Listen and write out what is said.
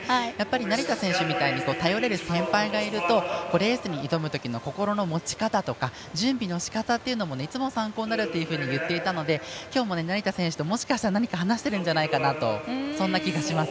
成田選手みたいに頼れる先輩がいるとレースに挑むときの心の持ち方とか準備のしかたもいつも参考になると言っていたので今日も成田選手ともしかしたら何か話しているとそんな気がします。